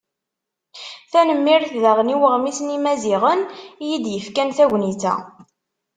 Tanemmirt daɣen i uɣmis n Yimaziɣen i yi-d-yefkan tagnit-a.